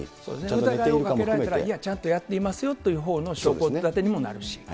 疑いをかけられたら、いや、ちゃんとやっていますよというほうの証拠立てにもなるし。